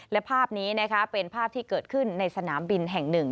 และภาพนี้นะคะเป็นภาพที่เกิดขึ้นในสนามบินแห่งหนึ่ง